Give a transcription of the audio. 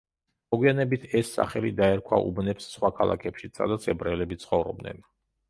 მოგვიანებით ეს სახელი დაერქვა უბნებს სხვა ქალაქებშიც, სადაც ებრაელები ცხოვრობდნენ.